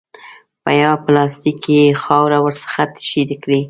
په یوه پلاستیک کې یې خاورې ورڅخه تشې کړې.